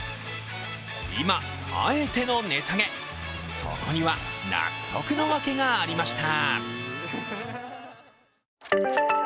今あえての値下げ、そこには納得のわけがありました。